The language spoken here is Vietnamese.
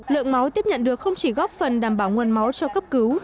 lượng máu tiếp nhận được không chỉ góp phần đảm bảo nguồn máu cho cấp cứu